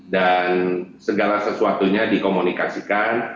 dan segala sesuatunya dikomunikasikan